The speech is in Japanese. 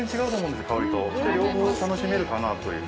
両方楽しめるかなという。